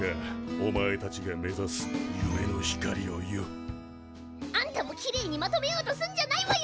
お前たちが目指す夢の光をよ。あんたもきれいにまとめようとすんじゃないわよ！